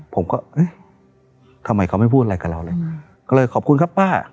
ผมก็เอ๊ะทำไมเขาไม่พูดอะไรกับเราเลยก็เลยขอบคุณครับป้า